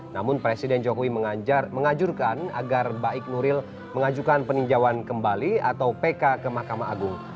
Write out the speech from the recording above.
namun presiden jokowi mengajurkan agar baik nuril mengajukan peninjauan kembali atau pk ke mahkamah agung